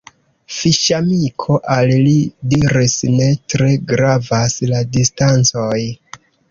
Fiŝamiko al li diris "Ne tre gravas la distancoj.